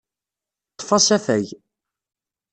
Ḍḍef asafag.